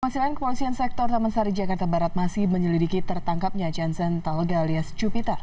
masih lain kepolisian sektor taman sari jakarta barat masih menyelidiki tertangkapnya johnson talda alias jupita